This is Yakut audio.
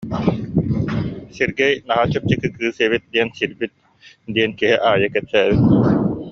Сергей наһаа чэпчэки кыыс эбит диэн сирбит» диэн киһи аайы кэпсээбит